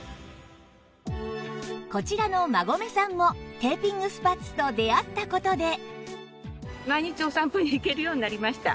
こちらの馬込さんもテーピングスパッツと出会った事で